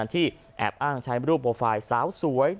ที่แอบอ้างใช้รูปโปรไฟล์สาวสวย